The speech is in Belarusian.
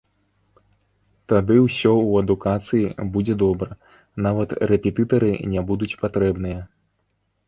Тады усё ў адукацыі будзе добра, нават рэпетытары не будуць патрэбныя.